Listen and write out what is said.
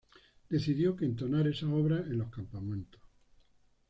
decidió que entonar esas obras en los campamentos